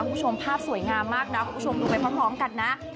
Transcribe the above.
คุณผู้ชมภาพสวยงามมากนะคุณผู้ชมดูไปพร้อมกันนะ